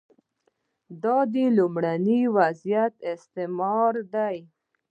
دا د لومړني وضعیت استعاره ده.